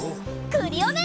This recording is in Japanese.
クリオネ！